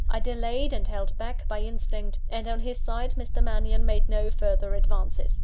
I delayed and held back, by instinct; and, on his side, Mr. Mannion made no further advances.